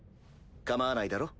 かまわないだろ？